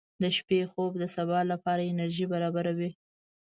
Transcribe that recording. • د شپې خوب د سبا لپاره انرژي برابروي.